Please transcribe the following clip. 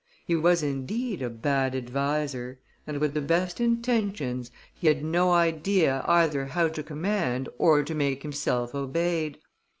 He was, indeed, a bad adviser; and with the best intentions he had no idea either how to command or how to make himself obeyed.